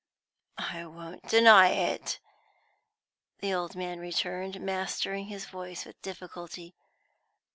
"I won't deny it," the old man returned, mastering his voice with difficulty.